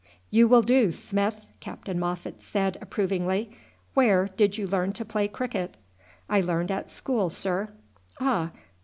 "You will do, Smith," Captain Moffat said approvingly. "Where did you learn to play cricket?" "I learned at school, sir." "Ah!